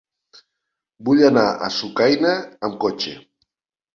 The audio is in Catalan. Vull anar a Sucaina amb cotxe.